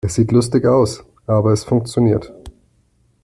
Es sieht lustig aus, aber es funktioniert.